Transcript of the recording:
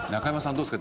どうですか？